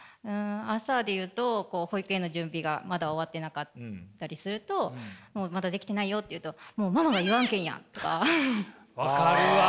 朝で言うと保育園の準備がまだ終わってなかったりすると「まだできてないよ」って言うと「ママが言わんけんやん！」とか。分かるわ。